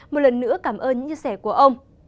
một lần nữa cảm ơn những chia sẻ của ông